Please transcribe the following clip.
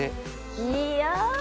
いや！